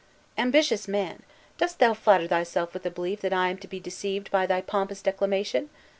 "Ambitious man! Dost thou flatter thyself with belief that I am to be deceived by thy pompous declamation?